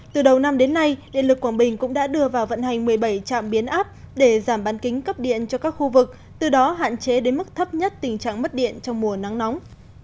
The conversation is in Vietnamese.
từ đầu năm đến nay điện lực quảng bình cũng đã đưa vào vận hành một mươi bảy trạm biến áp để giảm bán kính cấp điện cho các khu vực từ đó hạn chế đến mức thấp nhất tình trạng mất điện trong mùa nắng nóng